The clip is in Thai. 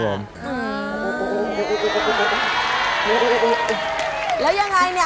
แล้วยังไงเนี่ย